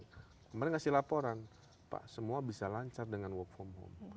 kemarin ngasih laporan pak semua bisa lancar dengan work from home